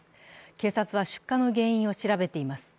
警察は出火の原因を調べています。